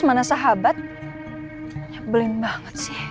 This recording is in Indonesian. ini si bap